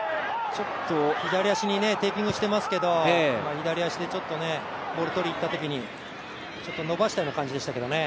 左足にテーピングしてますけど左足で、ボール、取りに行ったときに、伸ばしたような感じでしたけど